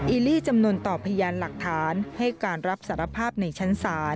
ีลี่จำนวนต่อพยานหลักฐานให้การรับสารภาพในชั้นศาล